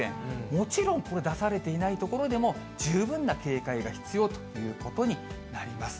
もちろん、これ、出されていない所でも、十分な警戒が必要ということになります。